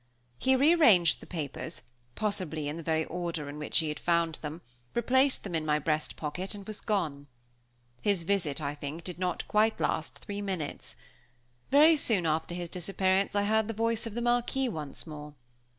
He re arranged the papers, possibly in the very order in which he had found them, replaced them in my breast pocket, and was gone. His visit, I think, did not quite last three minutes. Very soon after his disappearance I heard the voice of the Marquis once more.